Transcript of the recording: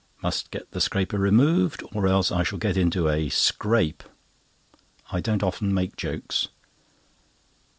Must get the scraper removed, or else I shall get into a scrape. I don't often make jokes.